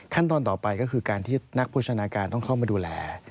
ต่อไปก็คือการที่นักโภชนาการต้องเข้ามาดูแล